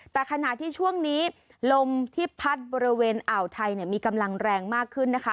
แต่ขณะที่ช่วงนี้ลมที่พัดบริเวณอ่าวไทยมีกำลังแรงมากขึ้นนะคะ